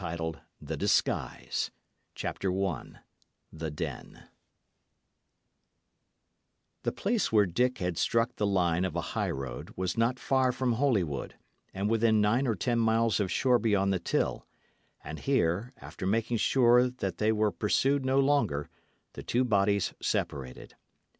BOOK IV THE DISGUISE CHAPTER I THE DEN The place where Dick had struck the line of a high road was not far from Holywood, and within nine or ten miles of Shoreby on the Till; and here, after making sure that they were pursued no longer, the two bodies separated.